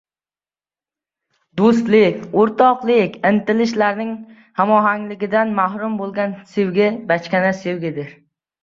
Do‘stlik, o‘rtoqlik, intilish-larning hamohangligidan mahrum bo‘lgan sevgi bachkana sevgidir.